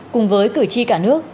cùng với cử tri cả nước